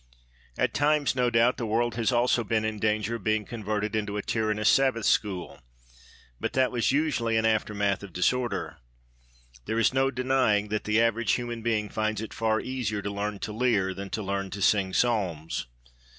At times, no doubt, the world has also been in danger of being converted into a tyrannous Sabbath school. But that was usually an aftermath of disorder. There is no denying that the average human being finds it far easier to learn to leer than to learn to sing psalms.